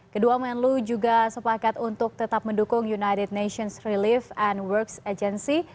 kedua menlu juga sepakat untuk tetap mendukung united nations relief and works agency